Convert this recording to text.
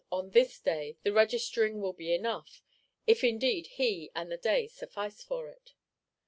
on this day, the Registering will be enough; if indeed he and the day suffice for it.